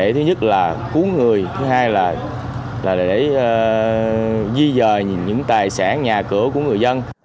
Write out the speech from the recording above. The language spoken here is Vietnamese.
thứ nhất là cứu người thứ hai là để di dời những tài sản nhà cửa của người dân